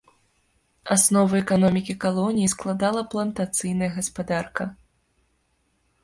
Аснову эканомікі калоніі складала плантацыйная гаспадарка.